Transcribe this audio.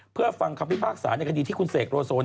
เพื่อฟังคำพิพากษาในคดีที่คุณเสกโลโซ